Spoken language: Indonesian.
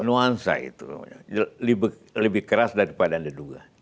nuansa itu lebih keras daripada anda duga